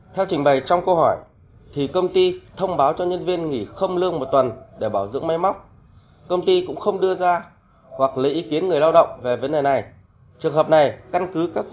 theo trình bày trong câu hỏi thì công ty thông báo cho nhân viên nghỉ không lương một tuần để bảo dưỡng máy mắc